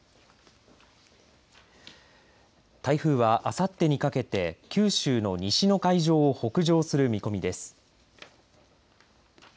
台風はあさってにかけて九州の西の海上を北上する見込みです。